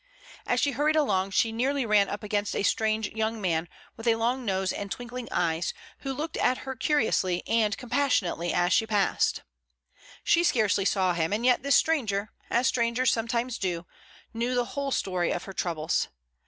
As she hurried along she nearly ran up against a strange young man, with a long nose and twinkling eyes, who looked at her curiously and compassion ately as she passed. She scarcely saw him, and yet this stranger, as strangers sometimes do, knew the whole story of her troubles.